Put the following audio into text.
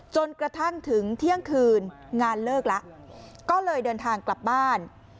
จนกระทั่งถึงเที่ยงคืนงานเลิกแล้วก็เลยเดินทางกลับบ้าน